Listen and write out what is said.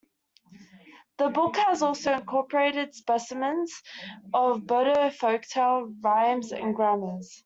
The book has also incorporated specimens of Bodo folktales, rhymes and grammars.